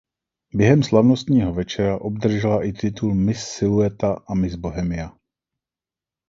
Během slavnostního večera obdržela i titul Miss Silueta a Miss Bohemia.